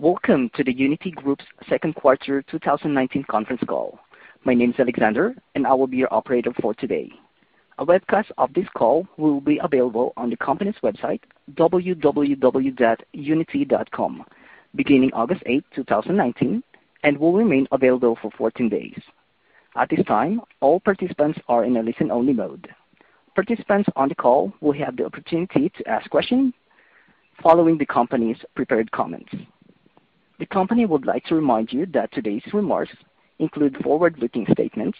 Welcome to the Uniti Group's second quarter 2019 conference call. My name's Alexander, and I will be your operator for today. A webcast of this call will be available on the company's website, www.uniti.com, beginning August 8, 2019, and will remain available for 14 days. At this time, all participants are in a listen-only mode. Participants on the call will have the opportunity to ask questions following the company's prepared comments. The company would like to remind you that today's remarks include forward-looking statements,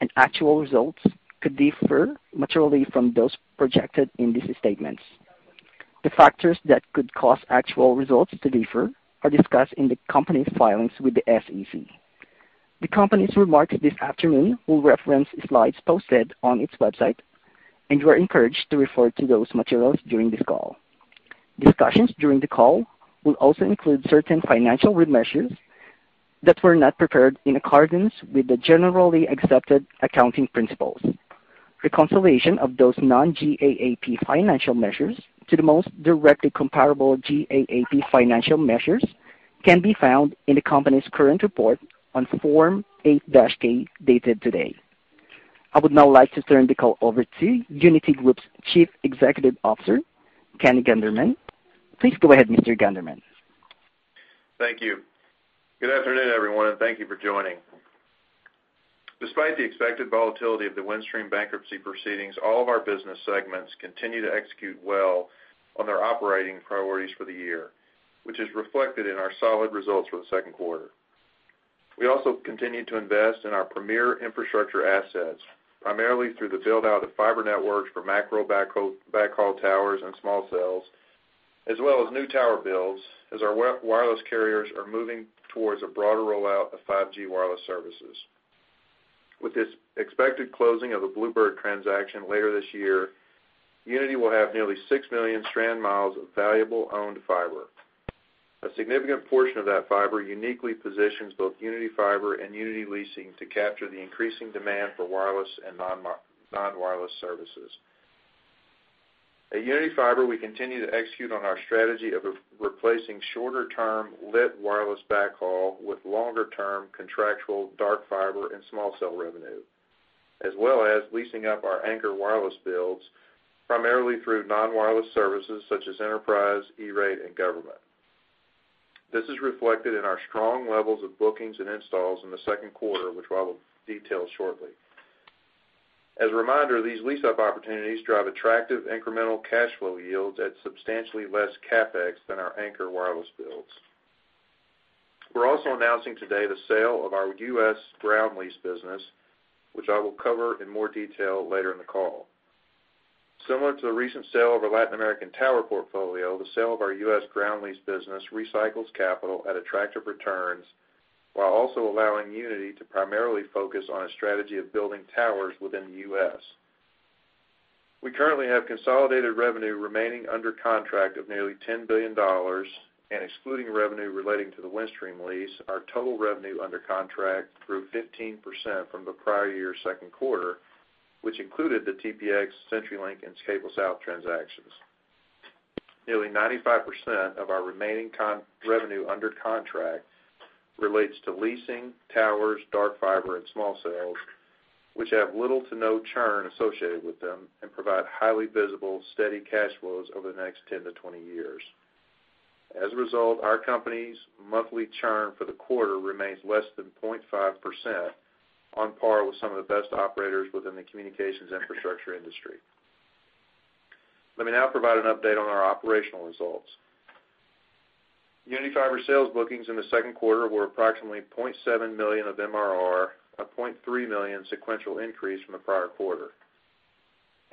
and actual results could differ materially from those projected in these statements. The factors that could cause actual results to differ are discussed in the company's filings with the SEC. The company's remarks this afternoon will reference slides posted on its website, and you are encouraged to refer to those materials during this call. Discussions during the call will also include certain financial measures that were not prepared in accordance with the Generally Accepted Accounting Principles. Reconciliation of those non-GAAP financial measures to the most directly comparable GAAP financial measures can be found in the company's current report on Form 8-K, dated today. I would now like to turn the call over to Uniti Group's Chief Executive Officer, Kenny Gunderman. Please go ahead, Mr. Gunderman. Thank you. Good afternoon, everyone, and thank you for joining. Despite the expected volatility of the Windstream bankruptcy proceedings, all of our business segments continue to execute well on their operating priorities for the year, which is reflected in our solid results for the second quarter. We also continue to invest in our premier infrastructure assets, primarily through the build-out of fiber networks for macro backhaul towers and small cells, as well as new tower builds, as our wireless carriers are moving towards a broader rollout of 5G wireless services. With this expected closing of the Bluebird transaction later this year, Uniti will have nearly 6 million strand miles of valuable owned fiber. A significant portion of that fiber uniquely positions both Uniti Fiber and Uniti Leasing to capture the increasing demand for wireless and non-wireless services. At Uniti Fiber, we continue to execute on our strategy of replacing shorter-term lit wireless backhaul with longer-term contractual dark fiber and small cell revenue, as well as leasing up our anchor wireless builds, primarily through non-wireless services such as enterprise, E-Rate, and government. This is reflected in our strong levels of bookings and installs in the second quarter, which I will detail shortly. As a reminder, these lease-up opportunities drive attractive incremental cash flow yields at substantially less CapEx than our anchor wireless builds. We're also announcing today the sale of our U.S. ground lease business, which I will cover in more detail later in the call. Similar to the recent sale of our Latin American tower portfolio, the sale of our U.S. ground lease business recycles capital at attractive returns while also allowing Uniti to primarily focus on a strategy of building towers within the U.S. We currently have consolidated revenue remaining under contract of nearly $10 billion and excluding revenue relating to the Windstream lease, our total revenue under contract grew 15% from the prior year second quarter, which included the TPx, CenturyLink, and CableSouth transactions. Nearly 95% of our remaining revenue under contract relates to leasing, towers, dark fiber, and small cells, which have little to no churn associated with them and provide highly visible, steady cash flows over the next 10-20 years. As a result, our company's monthly churn for the quarter remains less than 0.5%, on par with some of the best operators within the communications infrastructure industry. Let me now provide an update on our operational results. Uniti Fiber sales bookings in the second quarter were approximately $0.7 million of MRR, a $0.3 million sequential increase from the prior quarter.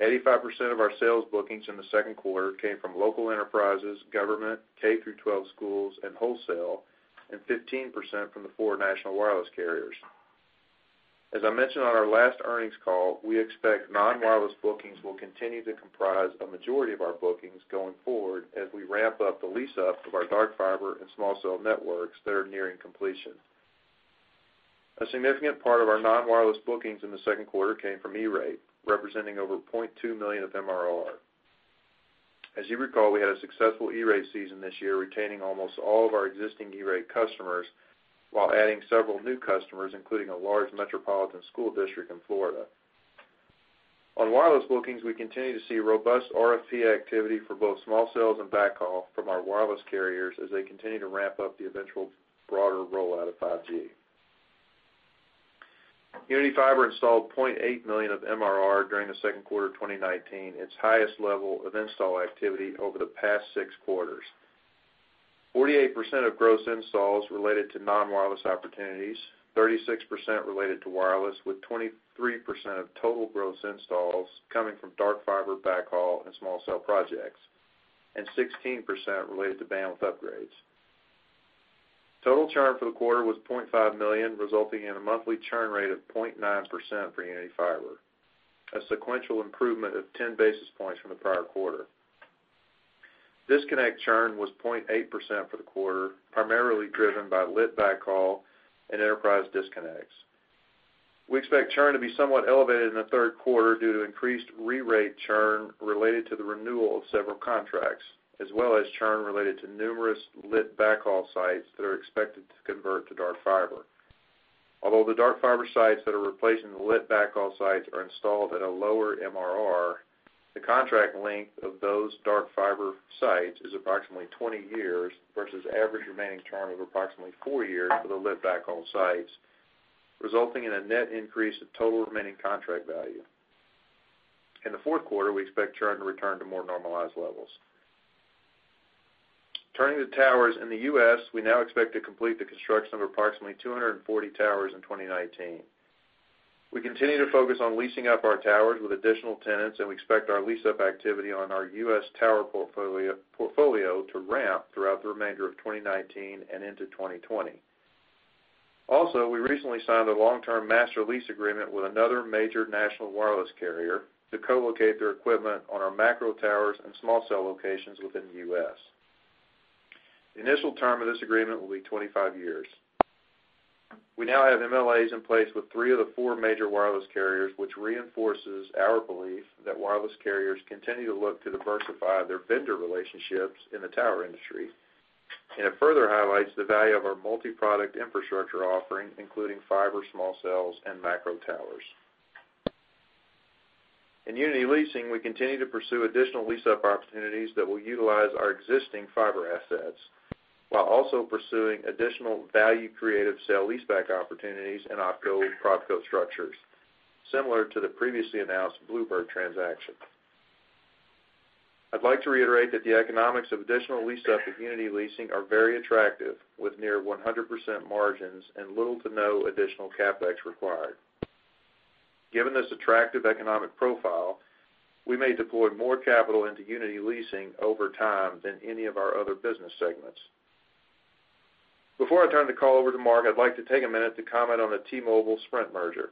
85% of our sales bookings in the second quarter came from local enterprises, government, K-12 schools, and wholesale, and 15% from the four national wireless carriers. As I mentioned on our last earnings call, we expect non-wireless bookings will continue to comprise a majority of our bookings going forward as we ramp up the lease-up of our dark fiber and small cell networks that are nearing completion. A significant part of our non-wireless bookings in the second quarter came from E-Rate, representing over $0.2 million of MRR. As you recall, we had a successful E-Rate season this year, retaining almost all of our existing E-Rate customers while adding several new customers, including a large metropolitan school district in Florida. On wireless bookings, we continue to see robust RFP activity for both small cells and backhaul from our wireless carriers as they continue to ramp up the eventual broader rollout of 5G. Uniti Fiber installed $0.8 million of MRR during the second quarter of 2019, its highest level of install activity over the past six quarters. 48% of gross installs related to non-wireless opportunities, 36% related to wireless, with 23% of total gross installs coming from dark fiber, backhaul, and small cell projects, and 16% related to bandwidth upgrades. Total churn for the quarter was $0.5 million, resulting in a monthly churn rate of 0.9% for Uniti Fiber, a sequential improvement of 10 basis points from the prior quarter. Disconnect churn was 0.8% for the quarter, primarily driven by lit backhaul and enterprise disconnects. We expect churn to be somewhat elevated in the third quarter due to increased re-rate churn related to the renewal of several contracts, as well as churn related to numerous lit backhaul sites that are expected to convert to dark fiber. Although the dark fiber sites that are replacing the lit backhaul sites are installed at a lower MRR, the contract length of those dark fiber sites is approximately 20 years versus average remaining churn of approximately four years for the lit backhaul sites, resulting in a net increase of total remaining contract value. In the fourth quarter, we expect churn to return to more normalized levels. Turning to towers in the U.S., we now expect to complete the construction of approximately 240 towers in 2019. We continue to focus on leasing up our towers with additional tenants, and we expect our lease-up activity on our U.S. tower portfolio to ramp throughout the remainder of 2019 and into 2020. Also, we recently signed a long-term master lease agreement with another major national wireless carrier to co-locate their equipment on our macro towers and small cell locations within the U.S. The initial term of this agreement will be 25 years. We now have MLAs in place with three of the four major wireless carriers, which reinforces our belief that wireless carriers continue to look to diversify their vendor relationships in the tower industry. It further highlights the value of our multi-product infrastructure offering, including fiber, small cells, and macro towers. In Uniti Leasing, we continue to pursue additional lease-up opportunities that will utilize our existing fiber assets while also pursuing additional value-creative sale leaseback opportunities in OpCo-PropCo structures, similar to the previously announced Bluebird transaction. I'd like to reiterate that the economics of additional lease-up of Uniti Leasing are very attractive, with near 100% margins and little to no additional CapEx required. Given this attractive economic profile, we may deploy more capital into Uniti Leasing over time than any of our other business segments. Before I turn the call over to Mark, I'd like to take a minute to comment on the T-Mobile-Sprint merger.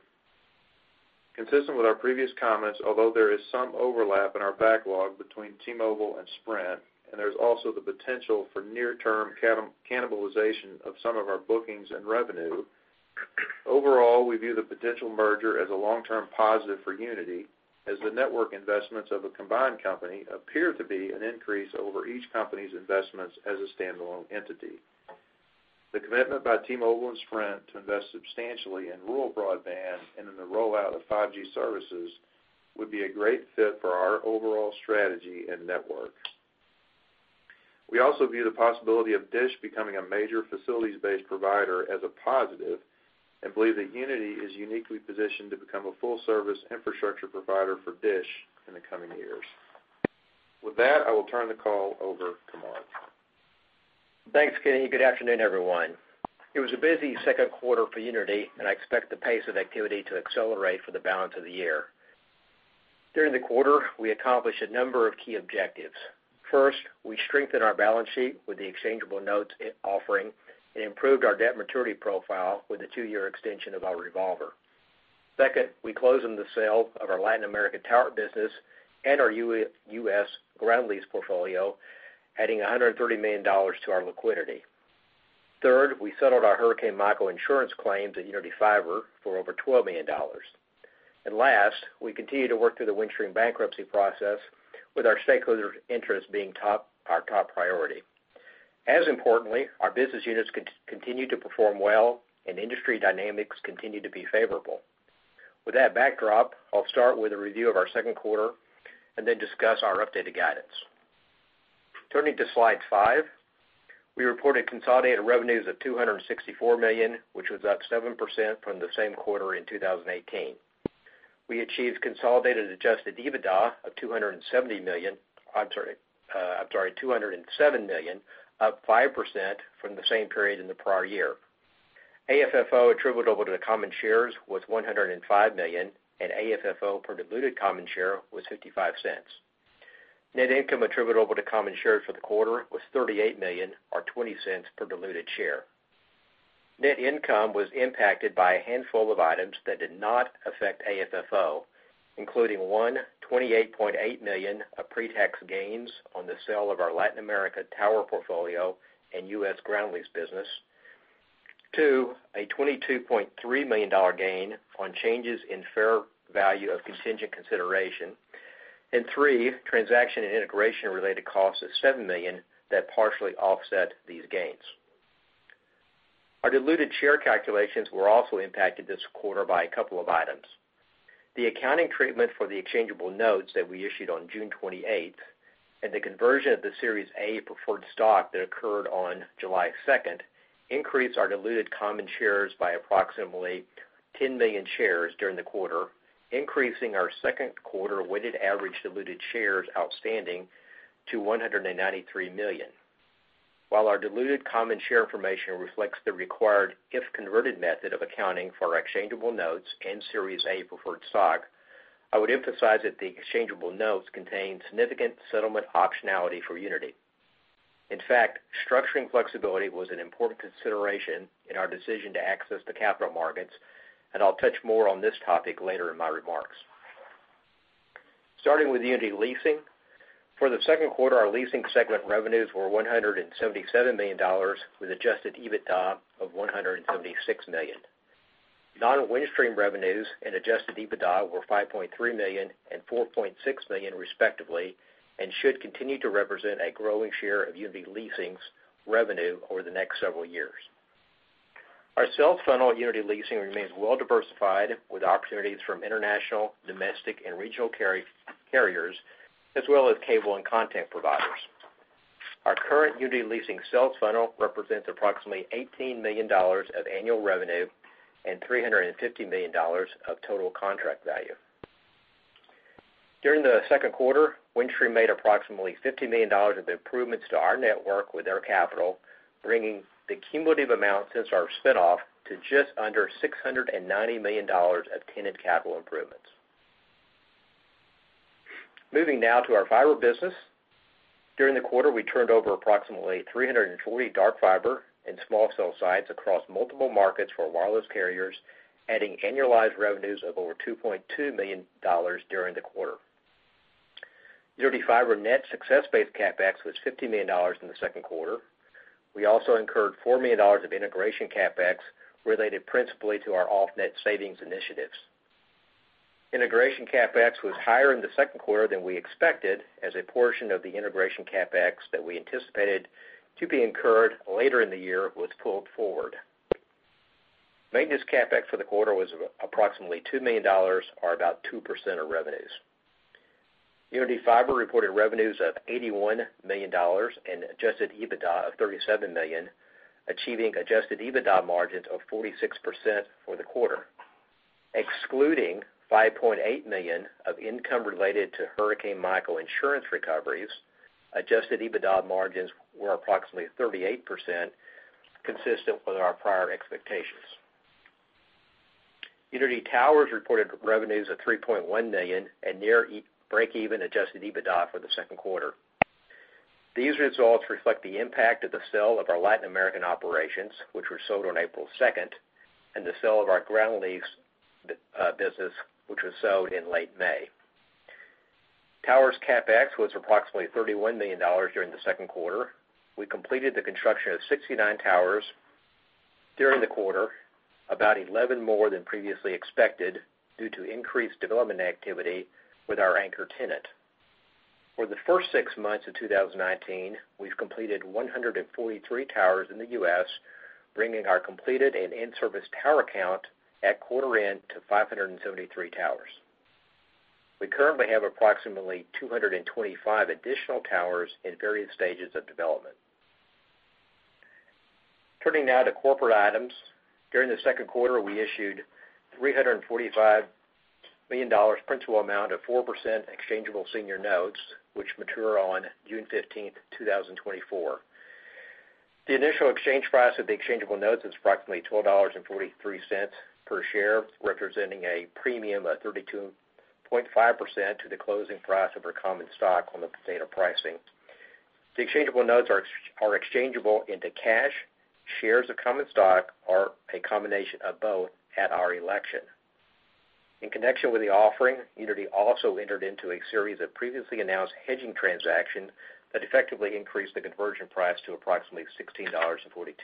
Consistent with our previous comments, although there is some overlap in our backlog between T-Mobile and Sprint, and there's also the potential for near-term cannibalization of some of our bookings and revenue, overall, we view the potential merger as a long-term positive for Uniti, as the network investments of a combined company appear to be an increase over each company's investments as a standalone entity. The commitment by T-Mobile and Sprint to invest substantially in rural broadband and in the rollout of 5G services would be a great fit for our overall strategy and network. We also view the possibility of DISH becoming a major facilities-based provider as a positive and believe that Uniti is uniquely positioned to become a full-service infrastructure provider for DISH in the coming years. With that, I will turn the call over to Mark. Thanks, Kenny. Good afternoon, everyone. It was a busy second quarter for Uniti, and I expect the pace of activity to accelerate for the balance of the year. During the quarter, we accomplished a number of key objectives. First, we strengthened our balance sheet with the exchangeable notes offering and improved our debt maturity profile with the two-year extension of our revolver. Second, we closed on the sale of our Latin America tower business and our U.S. ground lease portfolio, adding $130 million to our liquidity. Third, we settled our Hurricane Michael insurance claims at Uniti Fiber for over $12 million. Last, we continue to work through the Windstream bankruptcy process with our stakeholders' interests being our top priority. As importantly, our business units continue to perform well, and industry dynamics continue to be favorable. With that backdrop, I'll start with a review of our second quarter and then discuss our updated guidance. Turning to slide five. We reported consolidated revenues of $264 million, which was up 7% from the same quarter in 2018. We achieved consolidated adjusted EBITDA of $207 million, up 5% from the same period in the prior year. AFFO attributable to the common shares was $105 million, and AFFO per diluted common share was $0.55. Net income attributable to common shares for the quarter was $38 million, or $0.20 per diluted share. Net income was impacted by a handful of items that did not affect AFFO, including, one, $28.8 million of pretax gains on the sale of our Latin America tower portfolio and U.S. ground lease business. Two, a $22.3 million gain on changes in fair value of contingent consideration. Three, transaction and integration-related costs of $7 million that partially offset these gains. Our diluted share calculations were also impacted this quarter by a couple of items. The accounting treatment for the exchangeable notes that we issued on June 28th, and the conversion of the Series A preferred stock that occurred on July 2nd, increased our diluted common shares by approximately 10 million shares during the quarter, increasing our second quarter weighted average diluted shares outstanding to 193 million. While our diluted common share information reflects the required if-converted method of accounting for our exchangeable notes and Series A preferred stock, I would emphasize that the exchangeable notes contain significant settlement optionality for Uniti. In fact, structuring flexibility was an important consideration in our decision to access the capital markets, and I'll touch more on this topic later in my remarks. Starting with Uniti Leasing. For the second quarter, our leasing segment revenues were $177 million, with adjusted EBITDA of $176 million. Non-Windstream revenues and adjusted EBITDA were $5.3 million and $4.6 million respectively. Should continue to represent a growing share of Uniti Leasing's revenue over the next several years. Our sales funnel at Uniti Leasing remains well-diversified, with opportunities from international, domestic, and regional carriers, as well as cable and content providers. Our current Uniti Leasing sales funnel represents approximately $18 million of annual revenue and $350 million of total contract value. During the second quarter, Windstream made approximately $50 million of improvements to our network with their capital, bringing the cumulative amount since our spinoff to just under $690 million of tenant capital improvements. Moving now to our fiber business. During the quarter, we turned over approximately 340 dark fiber and small cell sites across multiple markets for wireless carriers, adding annualized revenues of over $2.2 million during the quarter. Uniti Fiber net success-based CapEx was $50 million in the second quarter. We also incurred $4 million of integration CapEx related principally to our off-net savings initiatives. Integration CapEx was higher in the second quarter than we expected as a portion of the integration CapEx that we anticipated to be incurred later in the year was pulled forward. Maintenance CapEx for the quarter was approximately $2 million or about 2% of revenues. Uniti Fiber reported revenues of $81 million and adjusted EBITDA of $37 million, achieving adjusted EBITDA margins of 46% for the quarter. Excluding $5.8 million of income related to Hurricane Michael insurance recoveries, adjusted EBITDA margins were approximately 38%, consistent with our prior expectations. Uniti Towers reported revenues of $3.1 million and near break-even adjusted EBITDA for the second quarter. These results reflect the impact of the sale of our Latin American operations, which were sold on April 2nd, and the sale of our ground lease business, which was sold in late May. Towers CapEx was approximately $31 million during the second quarter. We completed the construction of 69 towers during the quarter, about 11 more than previously expected due to increased development activity with our anchor tenant. For the first six months of 2019, we've completed 143 towers in the U.S., bringing our completed and in-service tower count at quarter end to 573 towers. We currently have approximately 225 additional towers in various stages of development. Turning now to corporate items. During the second quarter, we issued $345 million principal amount of 4% exchangeable senior notes, which mature on June 15th, 2024. The initial exchange price of the exchangeable notes is approximately $12.43 per share, representing a premium of 32.5% to the closing price of our common stock on the date of pricing. The exchangeable notes are exchangeable into cash, shares of common stock, or a combination of both at our election. In connection with the offering, Uniti also entered into a series of previously announced hedging transactions that effectively increased the conversion price to approximately $16.42.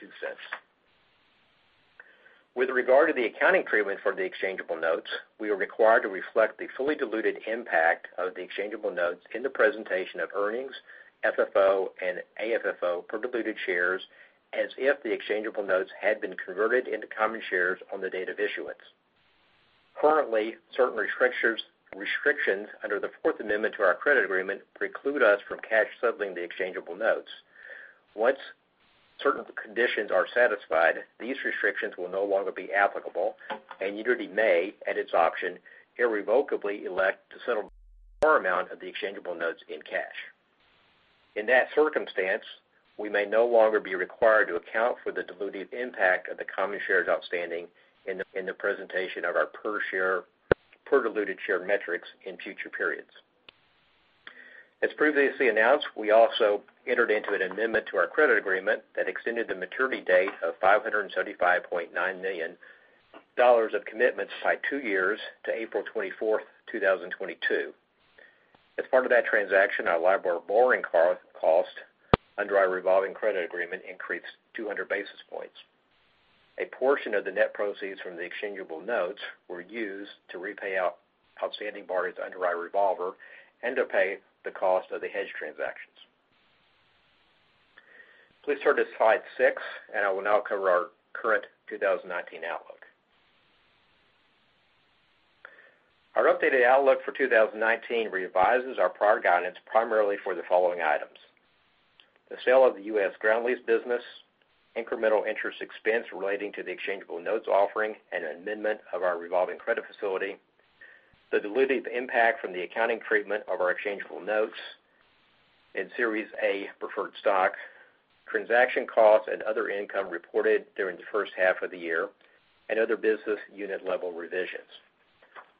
With regard to the accounting treatment for the exchangeable notes, we are required to reflect the fully diluted impact of the exchangeable notes in the presentation of earnings, FFO, and AFFO per diluted shares as if the exchangeable notes had been converted into common shares on the date of issuance. Currently, certain restrictions under the fourth amendment to our credit agreement preclude us from cash settling the exchangeable notes. Once certain conditions are satisfied, these restrictions will no longer be applicable, and Uniti may, at its option, irrevocably elect to settle more amount of the exchangeable notes in cash. In that circumstance, we may no longer be required to account for the dilutive impact of the common shares outstanding in the presentation of our per diluted share metrics in future periods. As previously announced, we also entered into an amendment to our credit agreement that extended the maturity date of $575.9 million of commitments by two years to April 24th, 2022. As part of that transaction, our LIBOR borrowing cost under our revolving credit agreement increased 200 basis points. A portion of the net proceeds from the exchangeable notes were used to repay outstanding borrowers under our revolver and to pay the cost of the hedge transactions. Please turn to slide six, and I will now cover our current 2019 outlook. Our updated outlook for 2019 revises our prior guidance primarily for the following items. The sale of the U.S. ground lease business, incremental interest expense relating to the exchangeable notes offering, and an amendment of our revolving credit facility, the dilutive impact from the accounting treatment of our exchangeable notes and Series A preferred stock, transaction costs and other income reported during the first half of the year, and other business unit-level revisions.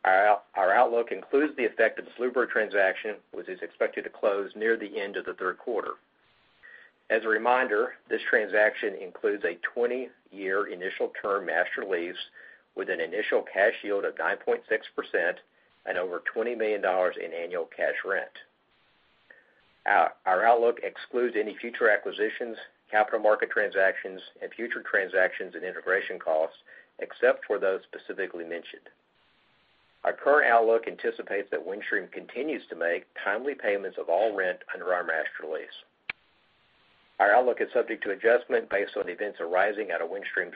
Our outlook includes the effect of the Bluebird transaction, which is expected to close near the end of the third quarter. As a reminder, this transaction includes a 20-year initial-term master lease with an initial cash yield of 9.6% and over $20 million in annual cash rent. Our outlook excludes any future acquisitions, capital market transactions, and future transactions and integration costs, except for those specifically mentioned. Our current outlook anticipates that Windstream continues to make timely payments of all rent under our master lease. Our outlook is subject to adjustment based on events arising out of Windstream's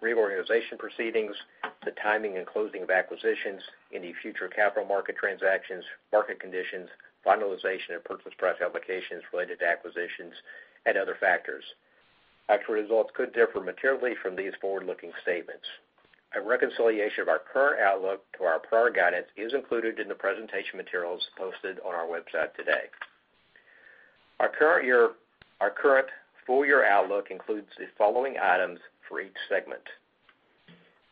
reorganization proceedings, the timing and closing of acquisitions, any future capital market transactions, market conditions, finalization of purchase price allocations related to acquisitions, and other factors. Actual results could differ materially from these forward-looking statements. A reconciliation of our current outlook to our prior guidance is included in the presentation materials posted on our website today. Our current full-year outlook includes the following items for each segment.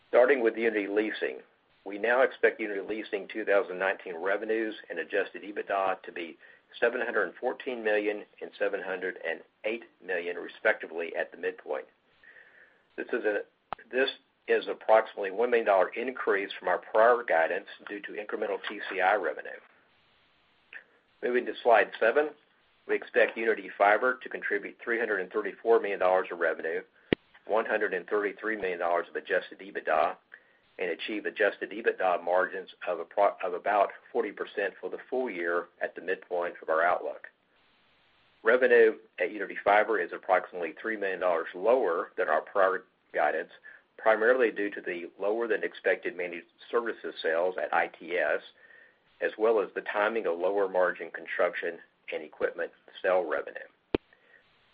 Starting with Uniti Leasing, we now expect Uniti Leasing 2019 revenues and adjusted EBITDA to be $714 million and $708 million, respectively, at the midpoint. This is approximately a $1 million increase from our prior guidance due to incremental TCI revenue. Moving to slide seven. We expect Uniti Fiber to contribute $334 million of revenue, $133 million of adjusted EBITDA, and achieve adjusted EBITDA margins of about 40% for the full year at the midpoint of our outlook. Revenue at Uniti Fiber is approximately $3 million lower than our prior guidance, primarily due to the lower-than-expected managed services sales at ITS, as well as the timing of lower-margin construction and equipment sale revenue.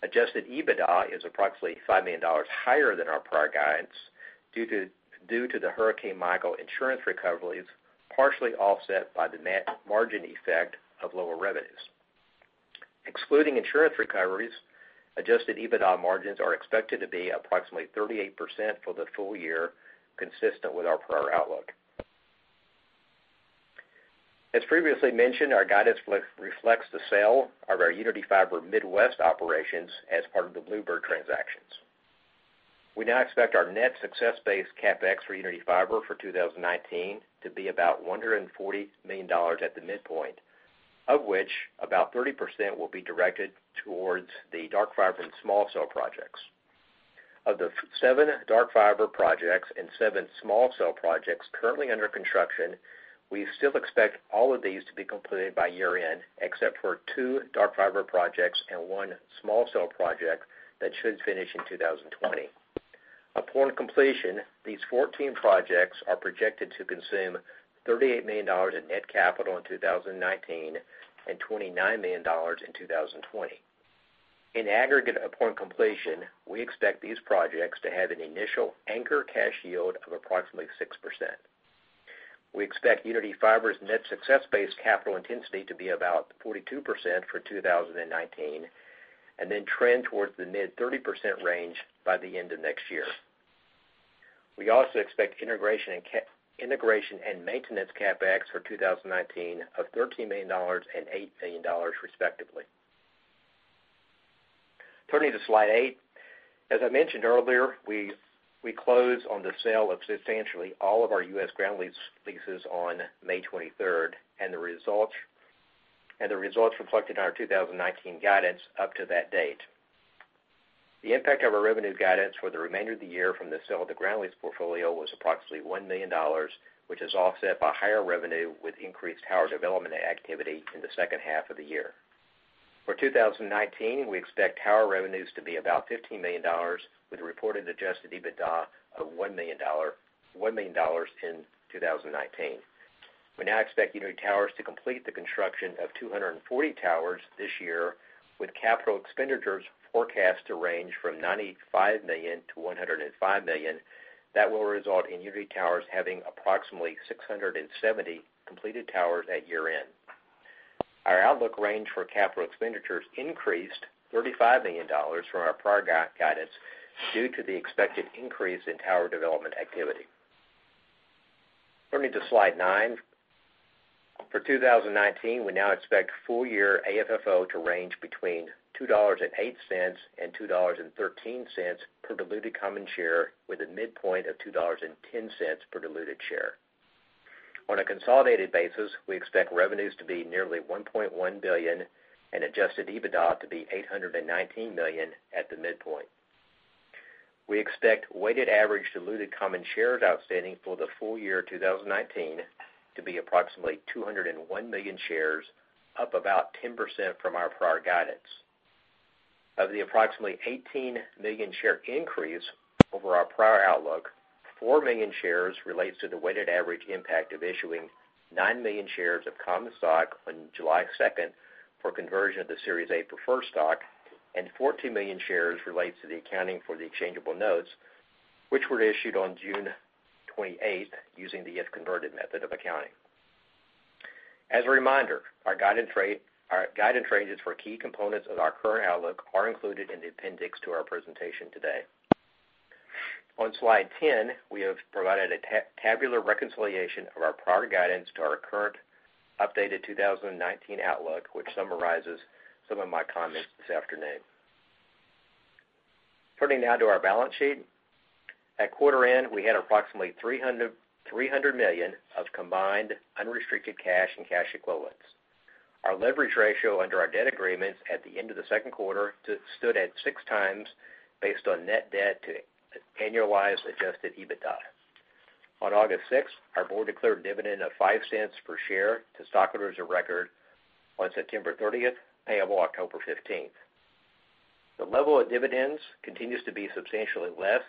Adjusted EBITDA is approximately $5 million higher than our prior guidance due to the Hurricane Michael insurance recoveries, partially offset by the net margin effect of lower revenues. Excluding insurance recoveries, adjusted EBITDA margins are expected to be approximately 38% for the full year, consistent with our prior outlook. As previously mentioned, our guidance reflects the sale of our Uniti Fiber Midwest operations as part of the Bluebird transactions. We now expect our net success-based CapEx for Uniti Fiber for 2019 to be about $140 million at the midpoint, of which about 30% will be directed towards the dark fiber and small cell projects. Of the seven dark fiber projects and seven small cell projects currently under construction, we still expect all of these to be completed by year-end, except for two dark fiber projects and one small cell project that should finish in 2020. Upon completion, these 14 projects are projected to consume $38 million in net capital in 2019 and $29 million in 2020. In aggregate, upon completion, we expect these projects to have an initial anchor cash yield of approximately 6%. We expect Uniti Fiber's net success-based capital intensity to be about 42% for 2019, then trend towards the mid-30% range by the end of next year. We also expect integration and maintenance CapEx for 2019 of $13 million and $8 million, respectively. Turning to slide eight. As I mentioned earlier, we closed on the sale of substantially all of our U.S. ground leases on May 23rd, and the results reflected in our 2019 guidance up to that date. The impact of our revenue guidance for the remainder of the year from the sale of the ground lease portfolio was approximately $1 million, which is offset by higher revenue with increased tower development activity in the second half of the year. For 2019, we expect tower revenues to be about $15 million, with reported adjusted EBITDA of $1 million in 2019. We now expect Uniti Towers to complete the construction of 240 towers this year, with capital expenditures forecast to range from $95 million-$105 million. That will result in Uniti Towers having approximately 670 completed towers at year-end. Our outlook range for capital expenditures increased $35 million from our prior guidance due to the expected increase in tower development activity. Turning to slide nine. For 2019, we now expect full-year AFFO to range between $2.08 and $2.13 per diluted common share, with a midpoint of $2.10 per diluted share. On a consolidated basis, we expect revenues to be nearly $1.1 billion and adjusted EBITDA to be $819 million at the midpoint. We expect weighted average diluted common shares outstanding for the full year 2019 to be approximately 201 million shares, up about 10% from our prior guidance. Of the approximately 18 million share increase over our prior outlook, 4 million shares relates to the weighted average impact of issuing 9 million shares of common stock on July 2nd for conversion of the Series A preferred stock, and 14 million shares relates to the accounting for the exchangeable notes, which were issued on June 28th using the if-converted method of accounting. As a reminder, our guidance ranges for key components of our current outlook are included in the appendix to our presentation today. On slide 10, we have provided a tabular reconciliation of our prior guidance to our current updated 2019 outlook, which summarizes some of my comments this afternoon. Turning now to our balance sheet. At quarter end, we had approximately $300 million of combined unrestricted cash and cash equivalents. Our leverage ratio under our debt agreements at the end of the second quarter stood at 6x based on net debt to annualized adjusted EBITDA. On August 6th, our board declared a dividend of $0.05 per share to stockholders of record on September 30th, payable October 15th. The level of dividends continues to be substantially less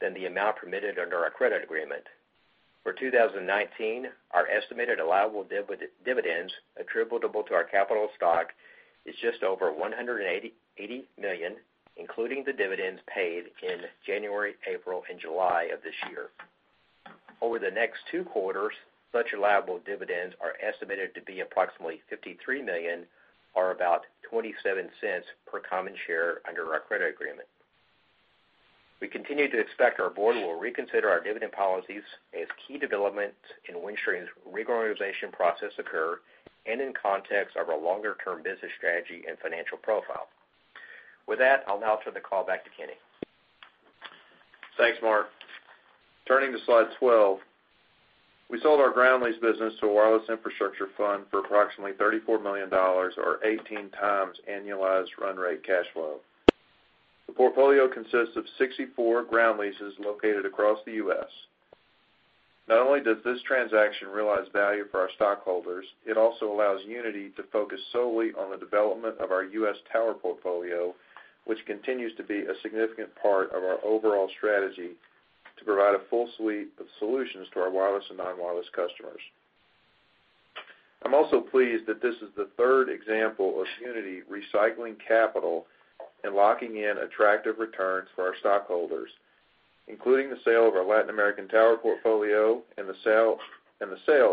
than the amount permitted under our credit agreement. For 2019, our estimated allowable dividends attributable to our capital stock is just over $180 million, including the dividends paid in January, April, and July of this year. Over the next two quarters, such allowable dividends are estimated to be approximately $53 million or about $0.27 per common share under our credit agreement. We continue to expect our board will reconsider our dividend policies as key developments in Windstream's reorganization process occur and in context of our longer-term business strategy and financial profile. With that, I'll now turn the call back to Kenny. Thanks, Mark. Turning to slide 12. We sold our ground lease business to a wireless infrastructure fund for approximately $34 million, or 18x annualized run-rate cash flow. The portfolio consists of 64 ground leases located across the U.S. Not only does this transaction realize value for our stockholders, it also allows Uniti to focus solely on the development of our U.S. tower portfolio, which continues to be a significant part of our overall strategy to provide a full suite of solutions to our wireless and non-wireless customers. I'm also pleased that this is the third example of Uniti recycling capital and locking in attractive returns for our stockholders, including the sale of our Latin American tower portfolio and the sale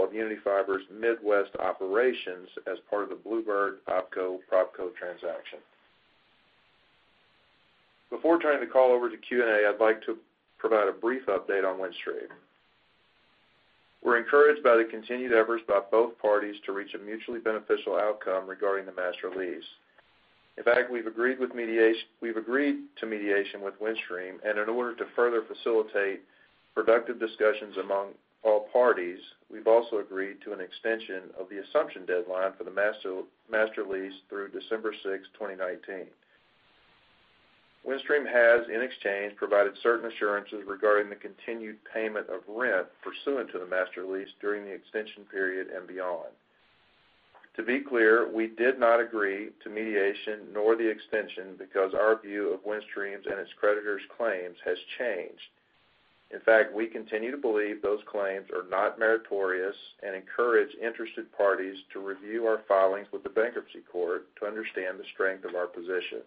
of Uniti Fiber's Midwest operations as part of the Bluebird OpCo-PropCo transaction. Before turning the call over to Q&A, I'd like to provide a brief update on Windstream. We're encouraged by the continued efforts by both parties to reach a mutually beneficial outcome regarding the master lease. In fact, we've agreed to mediation with Windstream, and in order to further facilitate productive discussions among all parties, we've also agreed to an extension of the assumption deadline for the master lease through December 6, 2019. Windstream has, in exchange, provided certain assurances regarding the continued payment of rent pursuant to the master lease during the extension period and beyond. To be clear, we did not agree to mediation nor the extension because our view of Windstream's and its creditors' claims has changed. In fact, we continue to believe those claims are not meritorious and encourage interested parties to review our filings with the bankruptcy court to understand the strength of our position.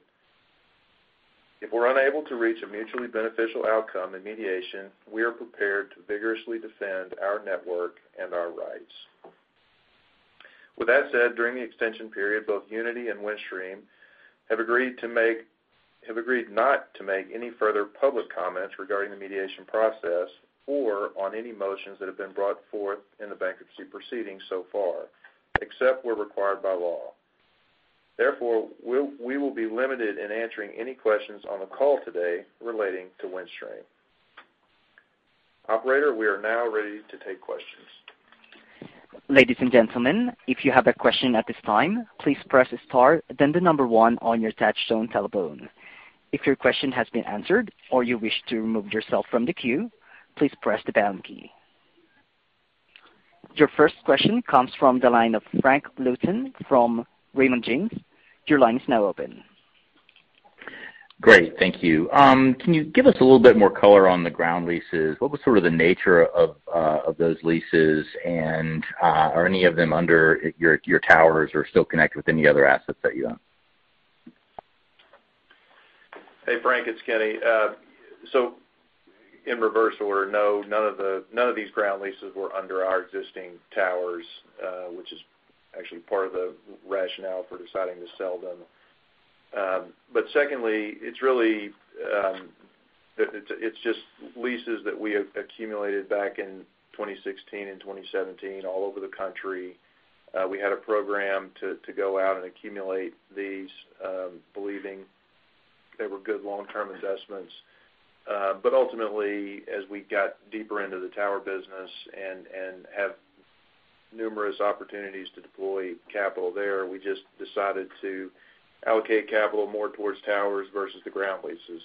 If we're unable to reach a mutually beneficial outcome in mediation, we are prepared to vigorously defend our network and our rights. With that said, during the extension period, both Uniti and Windstream have agreed not to make any further public comments regarding the mediation process or on any motions that have been brought forth in the bankruptcy proceedings so far, except where required by law. Therefore, we will be limited in answering any questions on the call today relating to Windstream. Operator, we are now ready to take questions. Ladies and gentlemen, if you have a question at this time, please press star, then the number one on your touchtone telephone. If your question has been answered, or you wish to remove yourself from the queue, please press the pound key. Your first question comes from the line of Frank Louthan from Raymond James. Your line is now open. Great. Thank you. Can you give us a little bit more color on the ground leases? What was sort of the nature of those leases, and are any of them under your towers or still connected with any other assets that you own? Hey, Frank, it's Kenny. In reverse order, no, none of these ground leases were under our existing towers, which is actually part of the rationale for deciding to sell them. Secondly, it's just leases that we accumulated back in 2016 and 2017 all over the country. We had a program to go out and accumulate these, believing they were good long-term investments. Ultimately, as we got deeper into the tower business and have numerous opportunities to deploy capital there, we just decided to allocate capital more towards towers versus the ground leases,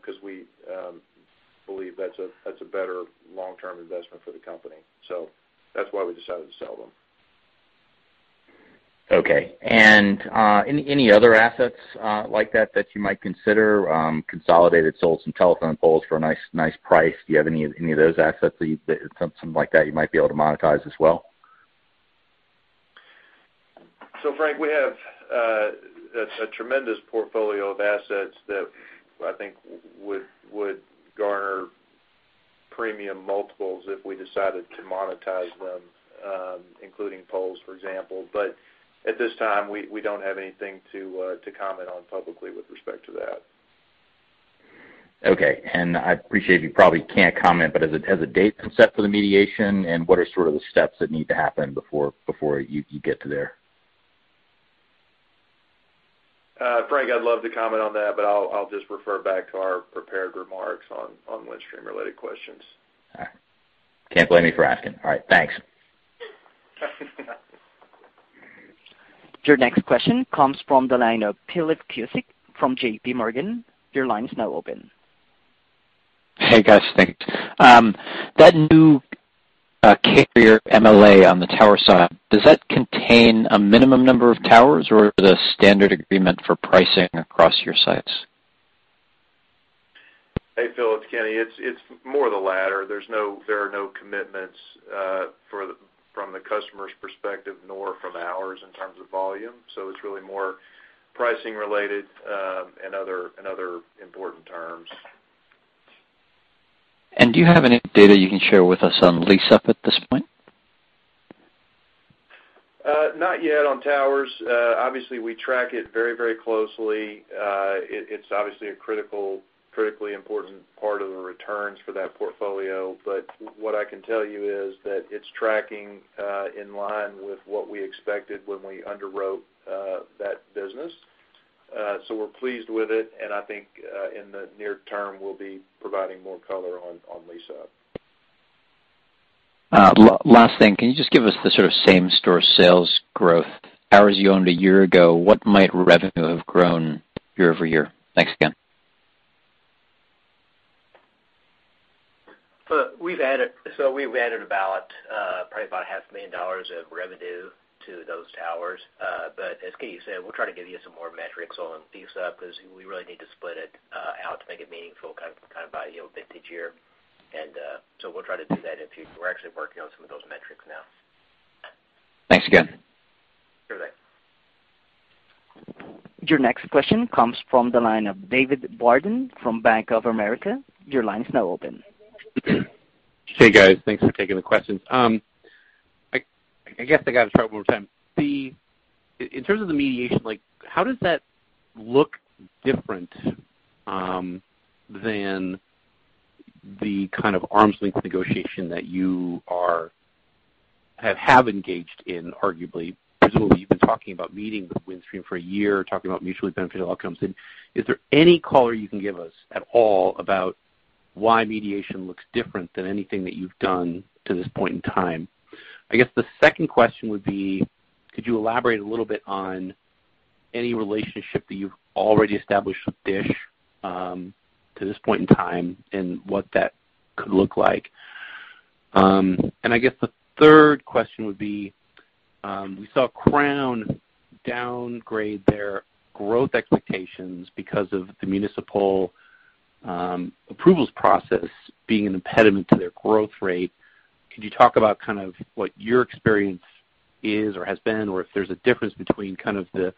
because we believe that's a better long-term investment for the company. That's why we decided to sell them. Okay. Any other assets like that that you might consider? Consolidated sold some telephone poles for a nice price. Do you have any of those assets, something like that, you might be able to monetize as well? Frank, we have a tremendous portfolio of assets that I think would garner premium multiples if we decided to monetize them, including poles, for example. At this time, we don't have anything to comment on publicly with respect to that. Okay. I appreciate you probably can't comment, but has a date been set for the mediation, and what are sort of the steps that need to happen before you get to there? Frank, I'd love to comment on that, but I'll just refer back to our prepared remarks on Windstream-related questions. All right. Can't blame me for asking. All right. Thanks. Your next question comes from the line of Philip Cusick from JPMorgan. Your line is now open. Hey, guys. Thanks. That new carrier MLA on the tower side, does that contain a minimum number of towers, or is it a standard agreement for pricing across your sites? Hey, Philip. It's Kenny. It's more the latter. There are no commitments from the customer's perspective, nor from ours in terms of volume. It's really more pricing-related and other important terms. Do you have any data you can share with us on lease-up at this point? Not yet on towers. Obviously, we track it very, very closely. It's obviously a critically important part of the returns for that portfolio. What I can tell you is that it's tracking in line with what we expected when we underwrote that business. We're pleased with it, and I think in the near term, we'll be providing more color on lease-up. Last thing. Can you just give us the sort of same-store sales growth? Towers you owned a year ago, what might revenue have grown year-over-year? Thanks again. We've added probably about $500,000 of revenue to those towers. As Kenny said, we'll try to give you some more metrics on lease-up because we really need to split it out to make it meaningful kind of value of vintage year. We'll try to do that. We're actually working on some of those metrics now. Thanks again. Sure thing. Your next question comes from the line of David Barden from Bank of America. Your line is now open. Hey, guys. Thanks for taking the questions. I guess I got to start one more time. In terms of the mediation, how does that look different than the kind of arm's length negotiation that you have engaged in arguably? Presumably, you've been talking about meeting with Windstream for a year, talking about mutually beneficial outcomes. Is there any color you can give us at all about why mediation looks different than anything that you've done to this point in time? I guess the second question would be, could you elaborate a little bit on any relationship that you've already established with DISH to this point in time and what that could look like? I guess the third question would be, we saw Crown downgrade their growth expectations because of the municipal approvals process being an impediment to their growth rate. Could you talk about kind of what your experience is or has been, or if there's a difference between kind of the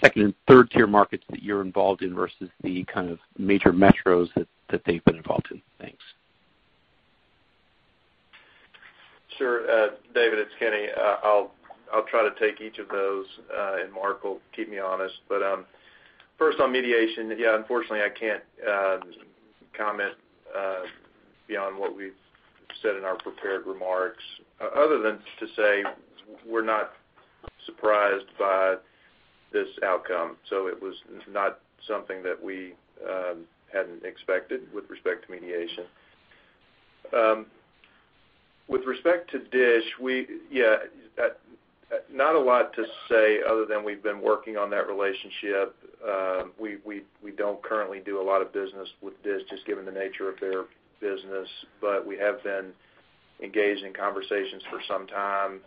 second and third tier markets that you're involved in versus the kind of major metros that they've been involved in? Thanks. Sure. David, it's Kenny. I'll try to take each of those, and Mark will keep me honest. First on mediation, yeah, unfortunately, I can't comment beyond what we've said in our prepared remarks, other than to say we're not surprised by this outcome. It was not something that we hadn't expected with respect to mediation. With respect to DISH, yeah, not a lot to say other than we've been working on that relationship. We don't currently do a lot of business with DISH, just given the nature of their business. We have been engaged in conversations for some time,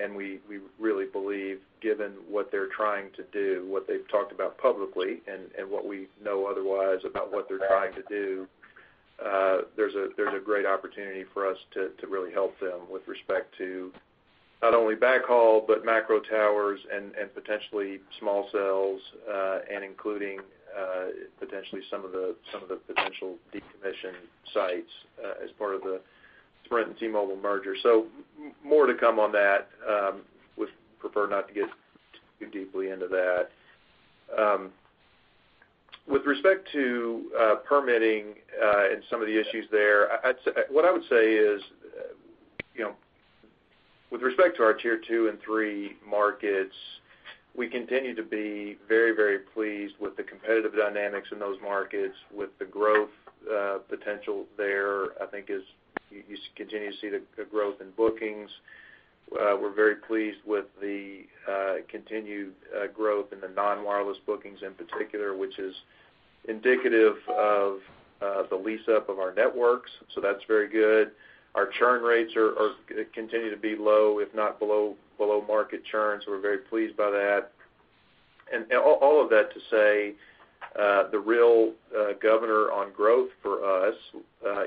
and we really believe given what they're trying to do, what they've talked about publicly, and what we know otherwise about what they're trying to do, there's a great opportunity for us to really help them with respect to not only backhaul but macro towers and potentially small cells, and including potentially some of the potential decommission sites as part of the Sprint and T-Mobile merger. More to come on that. Would prefer not to get too deeply into that. With respect to permitting and some of the issues there, what I would say is, with respect to our tier two and three markets, we continue to be very pleased with the competitive dynamics in those markets, with the growth potential there, I think, as you continue to see the growth in bookings. We're very pleased with the continued growth in the non-wireless bookings in particular, which is indicative of the lease-up of our networks, so that's very good. Our churn rates continue to be low, if not below market churn, so we're very pleased by that. All of that to say the real governor on growth for us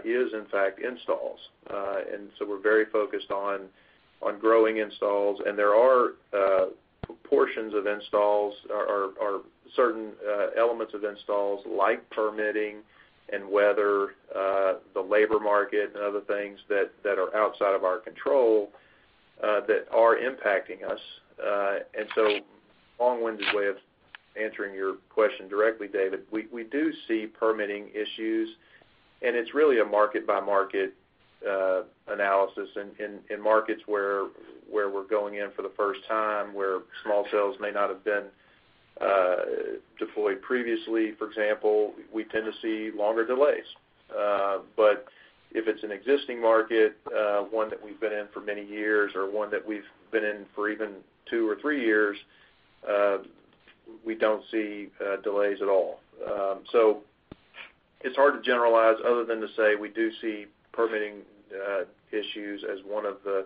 is, in fact, installs. We're very focused on growing installs, and there are portions of installs or certain elements of installs, like permitting and weather, the labor market, and other things that are outside of our control, that are impacting us. Long-winded way of answering your question directly, David, we do see permitting issues, and it's really a market-by-market analysis in markets where we're going in for the first time, where small cells may not have been deployed previously, for example, we tend to see longer delays. If it's an existing market, one that we've been in for many years or one that we've been in for even two or three years, we don't see delays at all. It's hard to generalize other than to say we do see permitting issues as one of the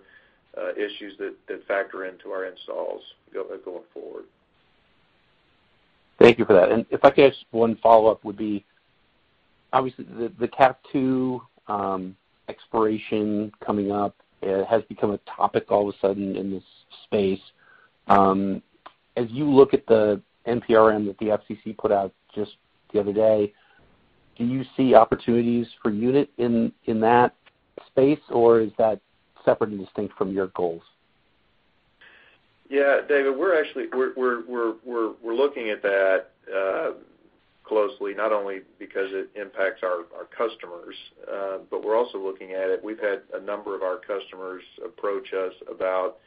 issues that factor into our installs going forward. Thank you for that. If I could ask one follow-up would be, obviously, the CAF II expiration coming up has become a topic all of a sudden in this space. As you look at the NPRM that the FCC put out just the other day, do you see opportunities for Uniti in that space, or is that separate and distinct from your goals? Yeah, David, we're looking at that closely, not only because it impacts our customers, but we're also looking at it. We've had a number of our customers approach us about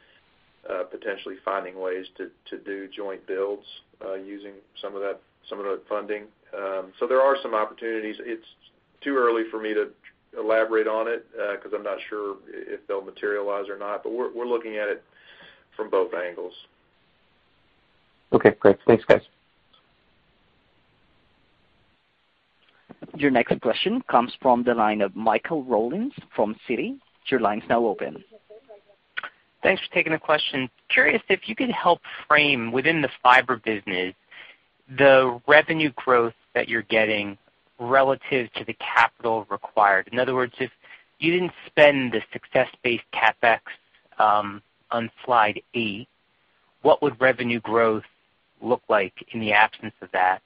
potentially finding ways to do joint builds using some of that funding. There are some opportunities. It's too early for me to elaborate on it, because I'm not sure if they'll materialize or not, but we're looking at it from both angles. Okay, great. Thanks, guys. Your next question comes from the line of Michael Rollins from Citi. Your line's now open. Thanks for taking the question. Curious if you could help frame within the fiber business, the revenue growth that you're getting relative to the capital required. In other words, if you didn't spend the success-based CapEx on slide eight, what would revenue growth look like in the absence of that?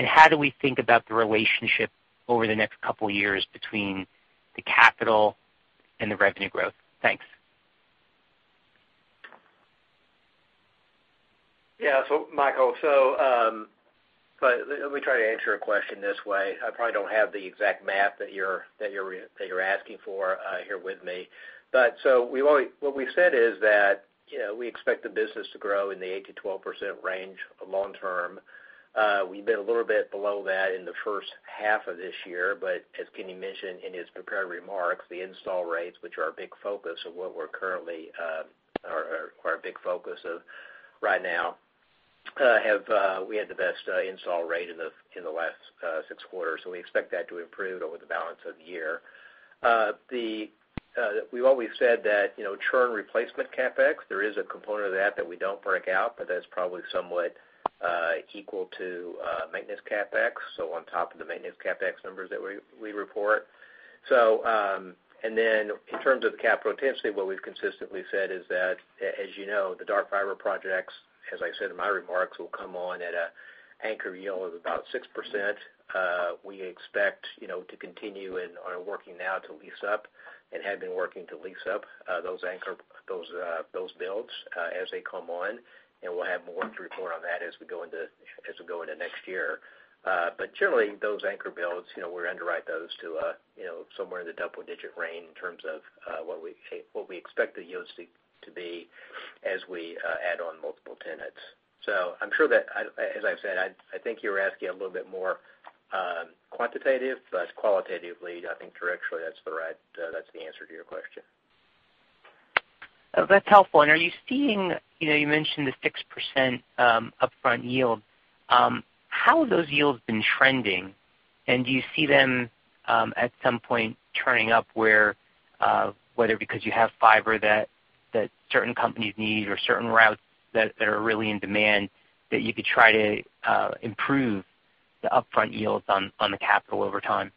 How do we think about the relationship over the next couple of years between the capital and the revenue growth? Thanks. Yeah. Michael, let me try to answer your question this way. I probably don't have the exact math that you're asking for here with me. What we've said is that we expect the business to grow in the 8%-12% range long term. We've been a little bit below that in the first half of this year, but as Kenny mentioned in his prepared remarks, the install rates, which are our big focus right now, we had the best install rate in the last six quarters, and we expect that to improve over the balance of the year. We've always said that churn replacement CapEx, there is a component of that that we don't break out, but that's probably somewhat equal to maintenance CapEx, so on top of the maintenance CapEx numbers that we report. In terms of the capital intensity, what we've consistently said is that, as you know, the dark fiber projects, as I said in my remarks, will come on at an anchor yield of about 6%. We expect to continue and are working now to lease up and have been working to lease up those builds as they come on, and we'll have more to report on that as we go into next year. Generally, those anchor builds, we underwrite those to somewhere in the double-digit range in terms of what we expect the yields to be as we add on multiple tenants. I'm sure that, as I've said, I think you're asking a little bit more quantitative, but qualitatively, I think directionally, that's the answer to your question. That's helpful. Are you seeing, you mentioned the 6% upfront yield, how have those yields been trending? Do you see them at some point turning up where, whether because you have fiber that certain companies need or certain routes that are really in demand, that you could try to improve the upfront yields on the capital over time?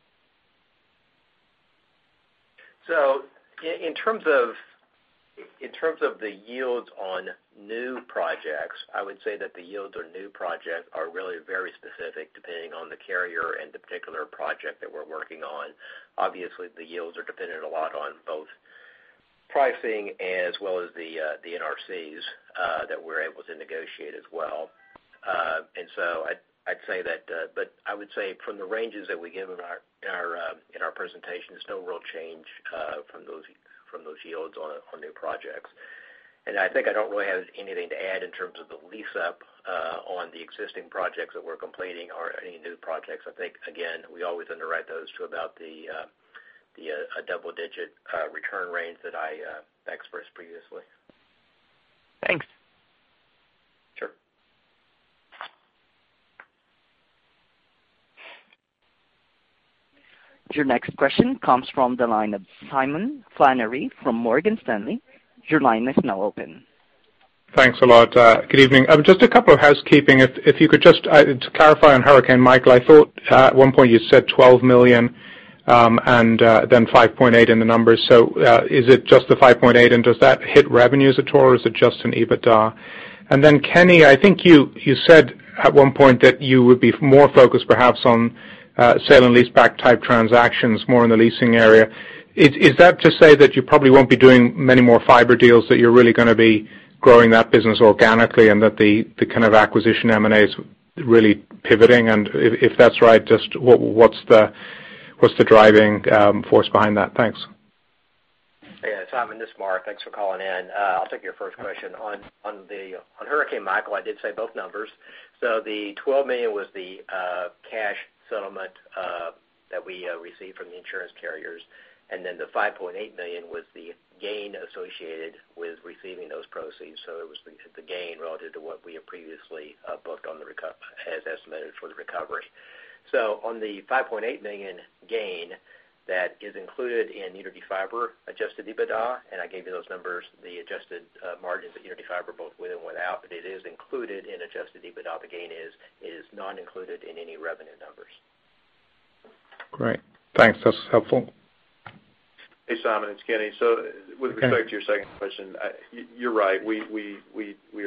In terms of the yields on new projects, I would say that the yields on new projects are really very specific depending on the carrier and the particular project that we're working on. Obviously, the yields are dependent a lot on both pricing as well as the NRCs that we're able to negotiate as well. I would say from the ranges that we give in our presentation, there's no real change from those yields on new projects. I think I don't really have anything to add in terms of the lease-up on the existing projects that we're completing or any new projects. I think, again, we always underwrite those to about the double-digit return range that I expressed previously. Thanks. Sure. Your next question comes from the line of Simon Flannery from Morgan Stanley. Your line is now open. Thanks a lot. Good evening. Just a couple of housekeeping. If you could just clarify on Hurricane Michael, I thought at one point you said $12 million, and then $5.8 million in the numbers. Is it just the $5.8 million, and does that hit revenue at all, or is it just in EBITDA? Kenny, I think you said at one point that you would be more focused, perhaps on sale and leaseback type transactions, more in the leasing area. Is that to say that you probably won't be doing many more fiber deals, that you're really going to be growing that business organically, and that the kind of acquisition M&A is really pivoting? If that's right, just what's the driving force behind that? Thanks. Simon, this is Mark. Thanks for calling in. I'll take your first question. Hurricane Michael, I did say both numbers. The $12 million was the cash settlement that we received from the insurance carriers, and then the $5.8 million was the gain associated with receiving those proceeds. It was the gain relative to what we had previously booked has estimated for the recovery. On the $5.8 million gain, that is included in Uniti Fiber adjusted EBITDA, and I gave you those numbers, the adjusted margins at Uniti Fiber, both with and without, but it is included in adjusted EBITDA. The gain is not included in any revenue numbers. Great. Thanks. That's helpful. Hey, Simon, it's Kenny. With respect to your second question, you're right. We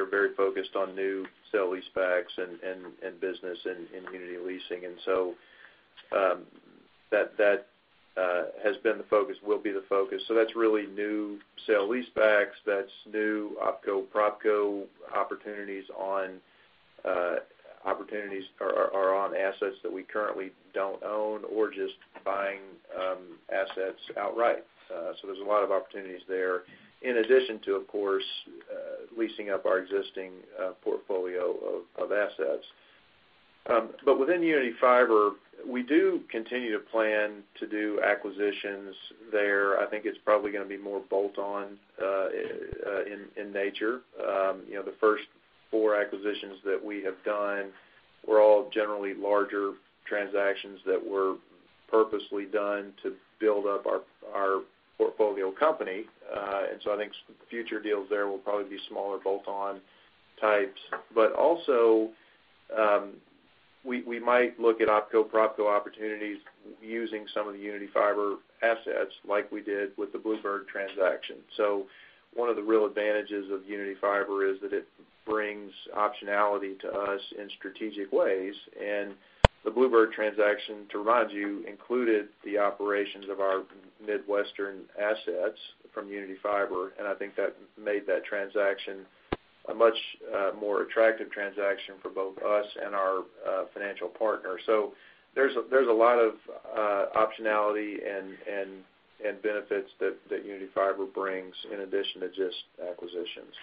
are very focused on new sale leasebacks and business in Uniti Leasing. That has been the focus, will be the focus. That's really new sale-leasebacks, that's new OpCo-PropCo opportunities are on assets that we currently don't own, or just buying assets outright. There's a lot of opportunities there in addition to, of course, leasing up our existing portfolio of assets. Within Uniti Fiber, we do continue to plan to do acquisitions there. I think it's probably gonna be more bolt-on in nature. The first four acquisitions that we have done were all generally larger transactions that were purposely done to build up our portfolio company. I think future deals there will probably be smaller bolt-on types. Also, we might look at OpCo-PropCo opportunities using some of the Uniti Fiber assets like we did with the Bluebird transaction. One of the real advantages of Uniti Fiber is that it brings optionality to us in strategic ways. The Bluebird transaction, to remind you, included the operations of our Midwestern assets from Uniti Fiber, and I think that made that transaction a much more attractive transaction for both us and our financial partner. There's a lot of optionality and benefits that Uniti Fiber brings in addition to just acquisitions.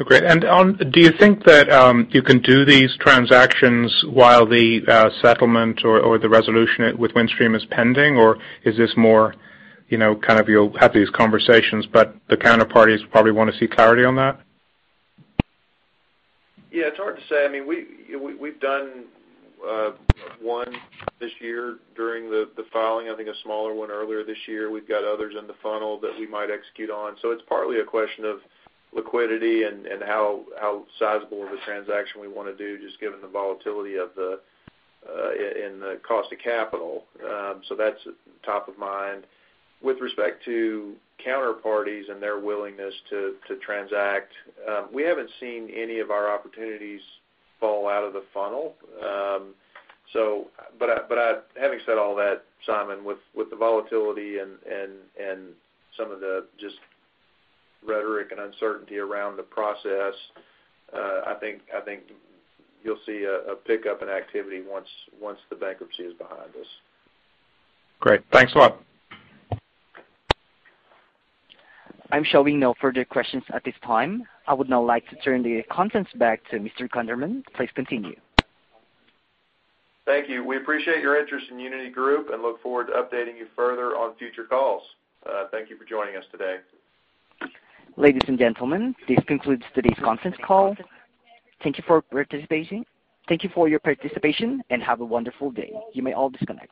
Okay. Do you think that you can do these transactions while the settlement or the resolution with Windstream is pending, or is this more kind of you'll have these conversations, but the counterparties probably want to see clarity on that? Yeah, it's hard to say. I mean, we've done one this year during the filing, I think a smaller one earlier this year. We've got others in the funnel that we might execute on. It's partly a question of liquidity and how sizable of a transaction we want to do, just given the volatility in the cost of capital. That's top of mind. With respect to counterparties and their willingness to transact, we haven't seen any of our opportunities fall out of the funnel. Having said all that, Simon, with the volatility and some of the just rhetoric and uncertainty around the process, I think you'll see a pickup in activity once the bankruptcy is behind us. Great. Thanks a lot. I'm showing no further questions at this time. I would now like to turn the conference back to Mr. Gunderman. Please continue. Thank you. We appreciate your interest in Uniti Group and look forward to updating you further on future calls. Thank you for joining us today. Ladies and gentlemen, this concludes today's conference call. Thank you for your participation and have a wonderful day. You may all disconnect.